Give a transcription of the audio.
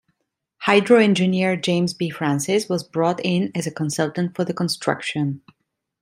Hydro engineer James B. Francis was brought in as a consultant for the construction.